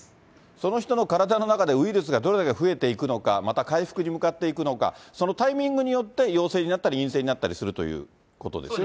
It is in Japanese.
その人の体の中で、ウイルスがどれだけ増えていくのか、また回復に向かっていくのか、そのタイミングによって、陽性になったり陰性になったりするということですよね？